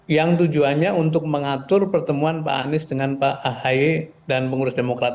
yang tujuannya untuk mengatur pertemuan pak anies dengan pak ahy dan pengurus demokrat